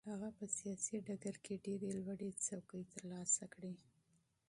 هغه په سیاسي ډګر کې ډېرې لوړې څوکې ترلاسه کړې.